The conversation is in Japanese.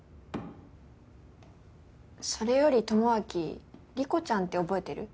それより智明理子ちゃんって覚えてる？